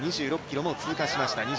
今、２６ｋｍを通過しました